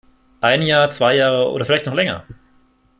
Ein Jahr, zwei Jahre oder vielleicht noch länger?